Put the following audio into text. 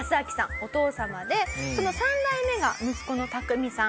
お父様でその３代目が息子のタクミさん。